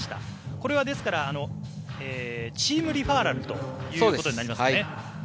これは、ですからチームリファーラルということになりますね。